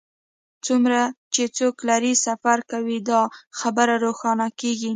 څومره چې څوک لرې سفر کوي دا خبره روښانه کیږي